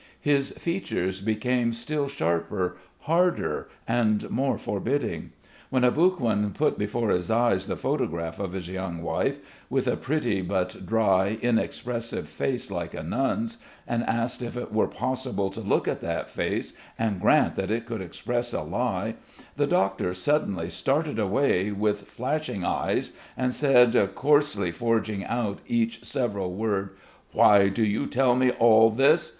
His features became still sharper, harder, and more forbidding. When Aboguin put before his eyes the photograph of his young wife, with a pretty, but dry, inexpressive face like a nun's, and asked if it were possible to look at that face and grant that it could express a lie, the doctor suddenly started away, with flashing eyes, and said, coarsely forging out each several word: "Why do you tell me all this?